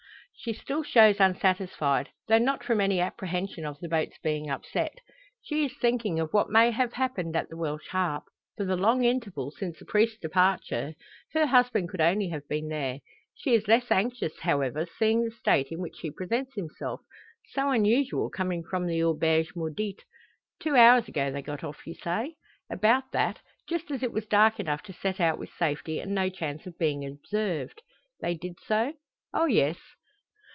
She still shows unsatisfied, though not from any apprehension of the boat's being upset. She is thinking of what may have happened at the Welsh Harp; for the long interval, since the priest's departure, her husband could only have been there. She is less anxious however, seeing the state in which he presents himself; so unusual coming from the "auberge maudite." "Two hours ago they got off, you say?" "About that; just as it was dark enough to set out with safety, and no chance of being observed." "They did so?" "Oh, yes."